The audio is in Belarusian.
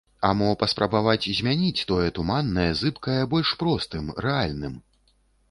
А мо паспрабаваць змяніць тое туманнае, зыбкае больш простым, рэальным?